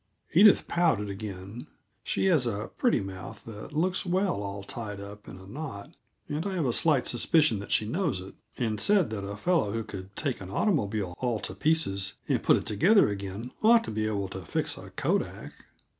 Edith pouted again she has a pretty mouth that looks well all tied up in a knot, and I have a slight suspicion that she knows it and said that a fellow who could take an automobile all to pieces and put it together again ought to be able to fix a kodak.